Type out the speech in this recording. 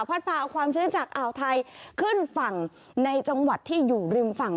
พาเอาความชื้นจากอ่าวไทยขึ้นฝั่งในจังหวัดที่อยู่ริมฝั่ง